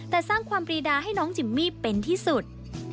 แต่สร้างความปรีดาให้น้องจิมมี่เป็นที่สุด